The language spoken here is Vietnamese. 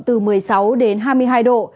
từ một mươi sáu đến hai mươi hai độ